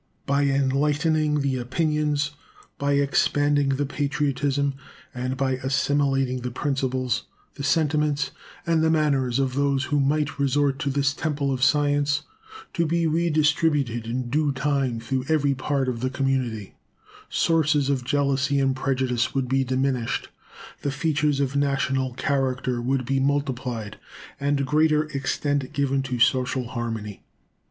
By enlightening the opinions, by expanding the patriotism, and by assimilating the principles, the sentiments, and the manners of those who might resort to this temple of science, to be redistributed in due time through every part of the community, sources of jealousy and prejudice would be diminished, the features of national character would be multiplied, and greater extent given to social harmony.